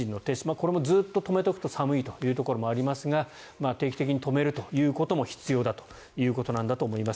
これもずっと止めておくと寒いというところもありますが定期的に止めるということも必要だということだと思います。